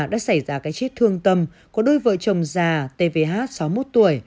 đã xảy ra cái chết thương tâm của đôi vợ chồng già th sáu mươi một tuổi